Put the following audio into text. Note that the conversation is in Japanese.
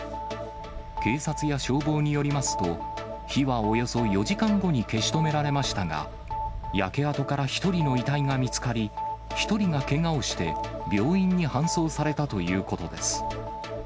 警察や消防によりますと、火はおよそ４時間後に消し止められましたが、焼け跡から１人の遺体が見つかり、１人がけがをして、病院に搬送されたということです。